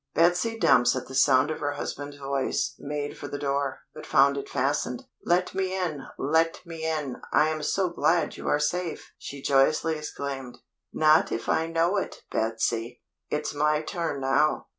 Betsy Dumps at the sound of her husband's voice, made for the door, but found it fastened. "Let me in! Let me in! I am so glad you are safe!" she joyously exclaimed. "Not if I know it, Betsy. It's my turn now.